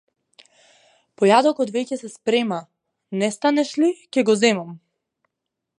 Појадокот веќе се спрема, не станеш ли, ќе го земам!